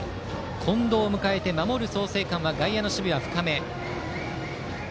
近藤を迎えて守る創成館は外野の守備、深め。